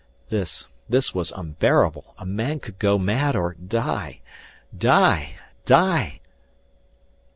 This, this was unbearable a man could go mad or die die die....